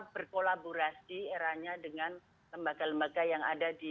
berkolaborasi eranya dengan lembaga lembaga yang ada di